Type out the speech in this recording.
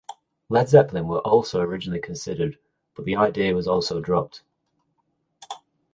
Led Zeppelin were also originally considered but the idea was also dropped.